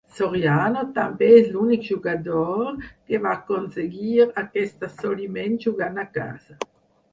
Soriano també és l'únic jugador que va aconseguir aquest assoliment jugant a casa.